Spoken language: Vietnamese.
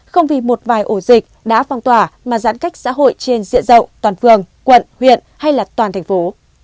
không vì một vài ổ dịch đã phong tỏa mà giãn cách xã hội trên diện rộng toàn phường quận huyện hay là toàn thành phố